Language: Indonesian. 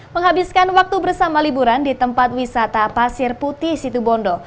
menghabiskan waktu bersama liburan di tempat wisata pasir putih situbondo